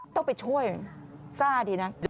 ต้องไปช่วยซ่าดีนะ